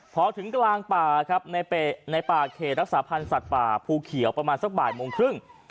พอถึงกลางป่าครับในป่าเขตรักษาพันธ์สัตว์ป่าภูเขียวประมาณสักบ่ายโมงครึ่ง